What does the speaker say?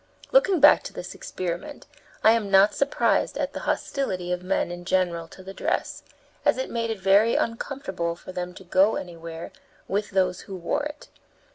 Looking back to this experiment, I am not surprised at the hostility of men in general to the dress, as it made it very uncomfortable for them to go anywhere with those who wore it.